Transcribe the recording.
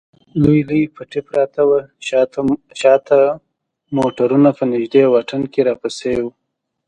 لوی لوی پټي پراته و، شا ته موټرونه په نږدې واټن کې راپسې و.